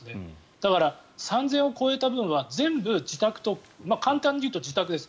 だから３０００を超えた分は簡単に言うと自宅です。